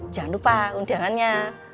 jangan lupa undangannya